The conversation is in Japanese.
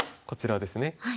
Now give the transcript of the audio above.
こちらですね。